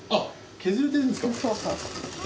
削れてるんですか。